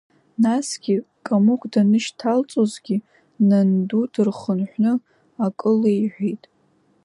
Насгьы, Камыгә данышьҭалҵозгьы, Нанду дырхынҳәны акы леиҳәеит.